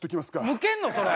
むけんのそれ！？